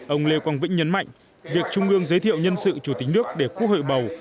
ông lê quang vĩnh nhấn mạnh việc trung ương giới thiệu nhân sự chủ tịch nước để quốc hội bầu